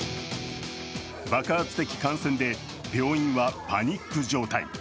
爆発的感染で病院はパニック状態。